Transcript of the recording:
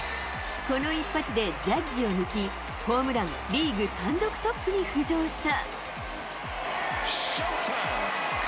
この一発でジャッジを抜き、ホームラン、リーグ単独トップに浮上した。